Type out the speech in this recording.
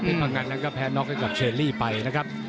เพชรพะงันและก็แพ้น็อคด้วยกับเชลลี่ไปนะครับ